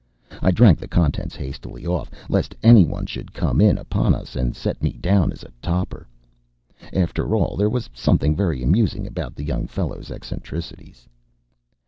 I drank the contents hastily off, lest anyone should come in upon us and set me down as a toper. After all there was something very amusing about the young fellow's eccentricities.